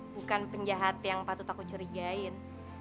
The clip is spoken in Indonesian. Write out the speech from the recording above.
bukan penjahat yang patut aku curigain